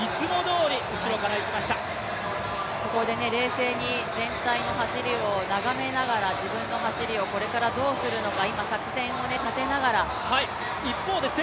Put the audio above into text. ここで冷静に全体の走りを眺めながら、自分の走りをこれからどうするのか今、作戦を立てながら。